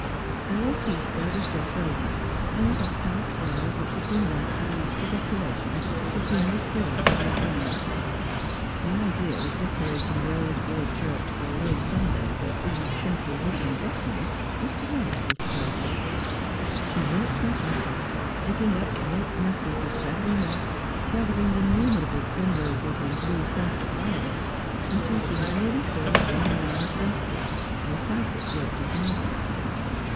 A late Easter was just over, and the hothouse flowers which had been lent for the Easter decorations had been restored to their owners. The idea of decorating the old gray church for Low Sunday with these simple woodland blossoms was delight 218 Just as I Am. ful to Dulcie. She worked her hardest, digging up great masses of feathery moss, gathering innumerable primroses and blue scentless violets, until she had nearly filled one large basket, while Frances worked at another.